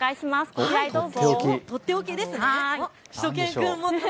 こちらへどうぞ。